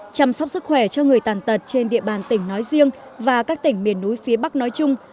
chăm sóc sức khỏe cho người tàn tật trên địa bàn tỉnh nói riêng và các tỉnh miền núi phía bắc nói chung